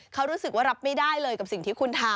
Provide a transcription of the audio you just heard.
เขารู้สึกว่ารับไม่ได้เลยกับสิ่งที่คุณทำ